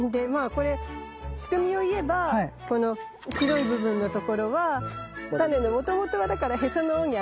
これ仕組みを言えばこの白い部分のところは種のもともとはだからへその緒に当たる部分ね。